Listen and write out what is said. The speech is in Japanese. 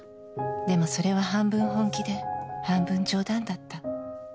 でもそれは半分本気で半分冗談だった。